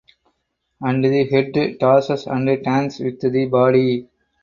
And the head tosses and turns with the body.